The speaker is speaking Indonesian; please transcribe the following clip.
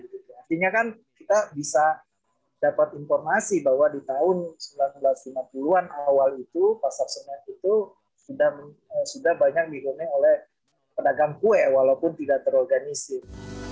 artinya kan kita bisa dapat informasi bahwa di tahun seribu sembilan ratus lima puluh an awal itu pasar senen itu sudah banyak digone oleh pedagang kue walaupun tidak terorganisir